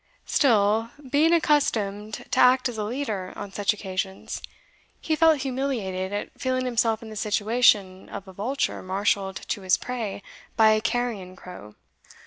Still, being accustomed to act as a leader on such occasions, he felt humiliated at feeling himself in the situation of a vulture marshalled to his prey by a carrion crow.